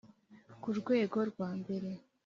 ku rwego rwa mbere